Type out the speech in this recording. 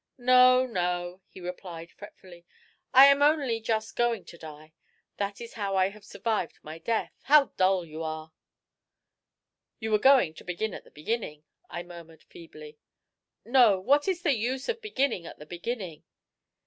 "No, no," he replied fretfully; "I am only just going to die. That is how I have survived my death. How dull you are!" "You were going to begin at the beginning," I murmured feebly. "No! What is the use of beginning at the beginning?"